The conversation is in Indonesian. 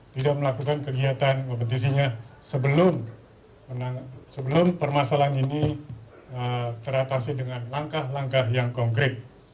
tidak melakukan kegiatan kompetisinya sebelum permasalahan ini teratasi dengan langkah langkah yang konkret